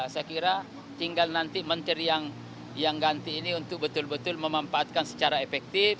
saya kira tinggal nanti menteri yang ganti ini untuk betul betul memanfaatkan secara efektif